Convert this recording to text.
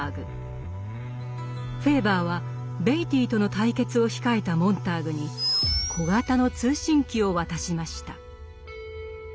フェーバーはベイティーとの対決を控えたモンターグに小型の通信機を渡しました。